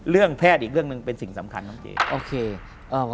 เรื่องแพทย์อีกเรื่องหนึ่งเป็นสิ่งสำคัญครับเจ๊